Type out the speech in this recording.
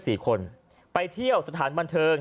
สี่คนไปเที่ยวสถานบันเทิง